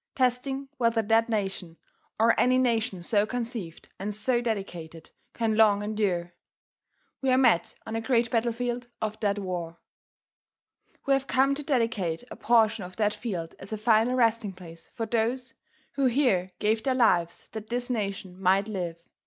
. .testing whether that nation, or any nation so conceived and so dedicated. .. can long endure. We are met on a great battlefield of that war. We have come to dedicate a portion of that field as a final resting place for those who here gave their lives that this nation might live.